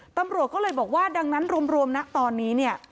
ตำรวจก็เลยบอกว่าดังนั้นรวมนะตอนนี้เนี่ย